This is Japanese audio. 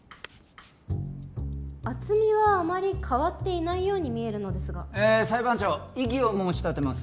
厚みはあまり変わっていないように見えるのですがえー裁判長異議を申し立てます